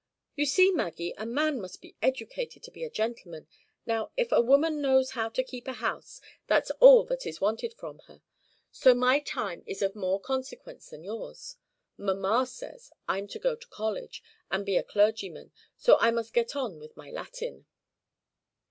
"You see, Maggie, a man must be educated to be a gentleman. Now, if a woman knows how to keep a house, that's all that is wanted from her. So my time is of more consequence than yours. Mamma says I'm to go to college, and be a clergyman; so I must get on with my Latin."